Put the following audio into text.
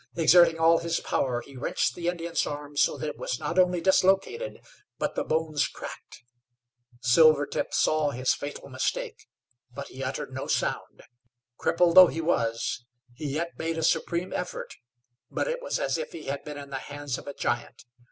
Exerting all his power, he wrenched the Indian's arm so that it was not only dislocated, but the bones cracked. Silvertip saw his fatal mistake, but he uttered no sound. Crippled, though he was, he yet made a supreme effort, but it was as if he had been in the hands of a giant.